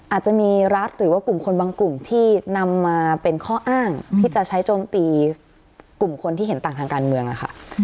อาจจะมีรัฐหรือว่ากลุ่มคนบางกลุ่มที่นำมาเป็นข้ออ้างที่จะใช้โจมตีกลุ่มคนที่เห็นต่างทางการเมืองค่ะ